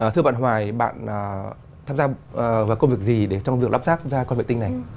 thưa bạn hoài bạn tham gia vào công việc gì để trong việc lắp ráp ra con vệ tinh này